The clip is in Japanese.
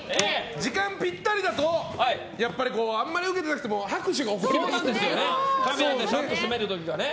時間ぴったりだとあんまりウケてなくても拍手が起こりますのでね。